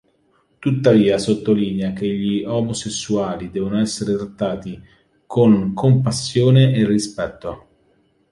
Tuttavia sottolinea che gli omosessuali devono essere trattati con compassione e rispetto.